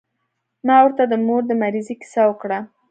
ما ورته د مور د مريضۍ کيسه وکړه.